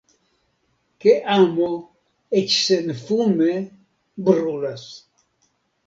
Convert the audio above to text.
Ke amo, eĉ senfume, brulas.